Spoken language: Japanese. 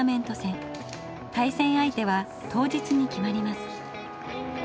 対戦相手は当日に決まります。